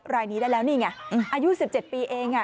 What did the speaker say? รายนี้ได้แล้วนี่ไงอายุ๑๗ปีเอง